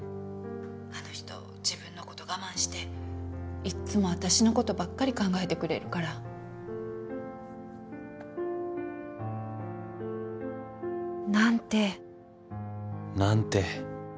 あの人自分のこと我慢していっつも私のことばっかり考えてくれるから。なんて。なんて。